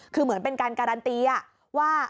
คือเหมือนเป็นการการันตีว่า